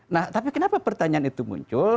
nah tapi kenapa pertanyaan itu muncul